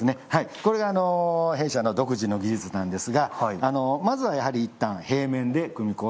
これが弊社の独自の技術なんですがまずはやはりいったん平面で組子を作ります。